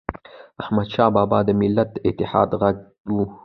احمدشاه بابا د ملت د اتحاد ږغ و.